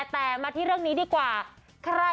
แต่มาที่เรื่องนี้ดีกว่า